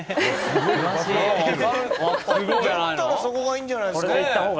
だったらそこがいいんじゃないですか？